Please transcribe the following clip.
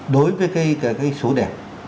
đối với cái số đẹp